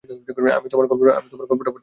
আমি তোমার গল্পটা পড়তে পারি?